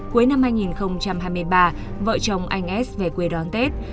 cuối năm hai nghìn hai mươi ba vợ chồng anh s về quê đón tết